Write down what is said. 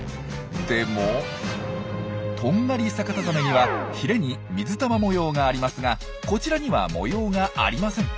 でもトンガリサカタザメにはひれに水玉模様がありますがこちらには模様がありません。